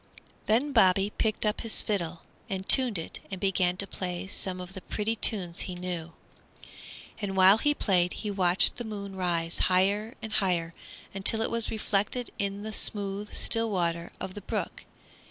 Then Bobby picked up his fiddle and tuned it and began to play some of the pretty tunes he knew. And while he played he watched the moon rise higher and higher until it was reflected in the smooth, still water of the brook.